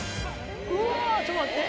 うわー、ちょっと待って。